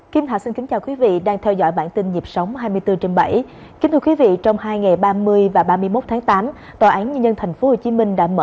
tiếp sau đây mời quý vị và các bạn cùng đến với trường quay phía nam